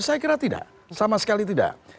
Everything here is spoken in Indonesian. saya kira tidak sama sekali tidak